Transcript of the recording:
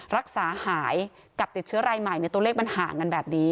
รักษาหายกับติดเชื้อรายใหม่ในตัวเลขมันห่างกันแบบนี้